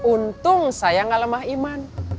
untung saya gak lemah iman